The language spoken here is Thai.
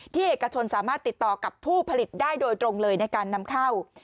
เอกชนสามารถติดต่อกับผู้ผลิตได้โดยตรงเลยในการนำเข้า